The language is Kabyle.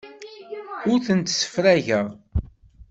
Ur tent-ssefrageɣ.